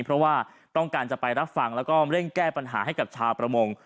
เพราะว่าต้องการจะไปรับฟังแล้วก็เร่งแก้ปัญหาให้กับชาวประมง